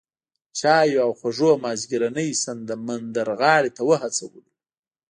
چایو او خوږو مازیګرنۍ سمندرغاړې ته وهڅولو.